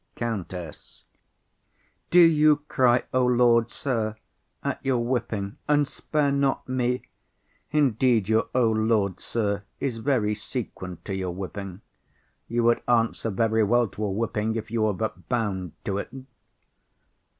COUNTESS. Do you cry 'O Lord, sir!' at your whipping, and 'spare not me'? Indeed your 'O Lord, sir!' is very sequent to your whipping. You would answer very well to a whipping, if you were but bound to't.